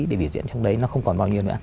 để biểu diễn trong đấy nó không còn bao nhiêu nữa